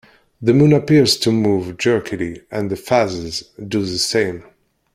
The Moon appears to move jerkily, and the phases do the same.